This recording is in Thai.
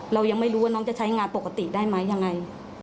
เรายังไม่รู้ว่าน้องจะใช้งานปกติได้ไหมยังไง